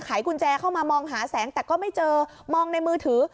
กุญแจเข้ามามองหาแสงแต่ก็ไม่เจอมองในมือถือ